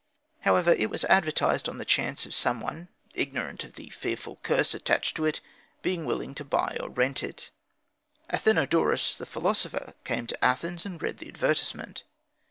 However, it was advertised, on the chance of some one, ignorant of the fearful curse attached to it, being willing to buy or to rent it. Athenodorus, the philosopher, came to Athens and read the advertisement.